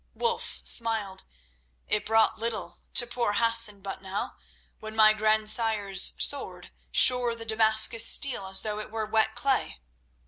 Wulf smiled. "It brought little to poor Hassan but now, when my grandsire's sword shore the Damascus steel as though it were wet clay."